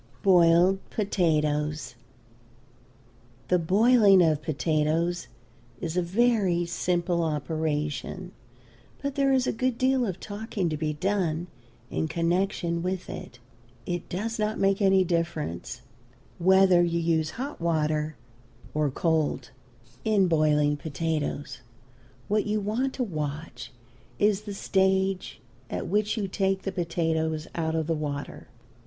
BOILED POTATOES. The boiling of potatoes is a very simple operation, but there is a good deal of talking to be done in connection with it. It does not make any difference whether you use hot water or cold in boiling potatoes. What you want to watch is the stage at which you take the potatoes out of the water.